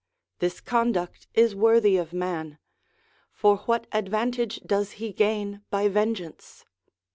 This conduct is worthy of man : for what advantage does he gain by vengeance